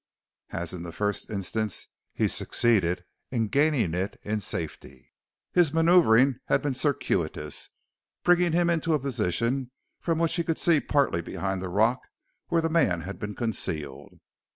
As in the first instance he succeeded in gaining it in safety. His maneuvering had been circuitous, bringing him into a position from which he could see partly behind the rock where the man had been concealed.